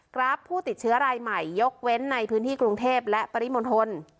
ราฟผู้ติดเชื้อรายใหม่ยกเว้นในพื้นที่กรุงเทพและปริมณฑล